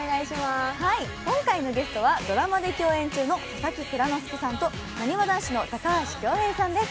今回のゲストはドラマで共演中の佐々木蔵之介さんとなにわ男子の高橋恭平さんです。